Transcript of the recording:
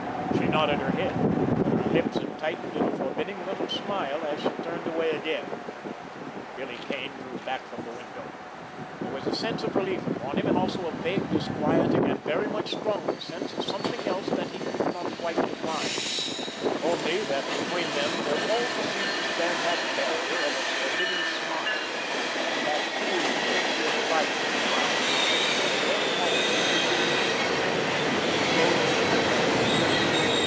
She nodded her head, but her lips had tightened in a forbidding little smile as she turned away again, Billy Kane drew back from the window. There was a sense of relief upon him; but also a vague, disquieting, and very much stronger sense of something else that he could not quite define; only that between them there always seemed to stand that barrier of a forbidding smile, and that cool, contemptuous light in the brown eyes that very often changed from contempt to loathing and abhorrence.